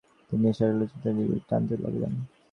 নিসার আলি চিন্তিত মুখে বিড়ি টানতে লাগলেন।